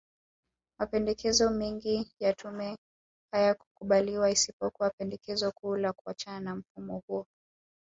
Mapendekezo mengi ya tume hayakukubaliwa isipokuwa pendekezo kuu la kuachana na mfumo huo